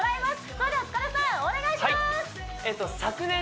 それでは塚田さんお願いします！